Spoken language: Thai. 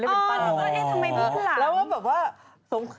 ทำไมดิ่งหลัง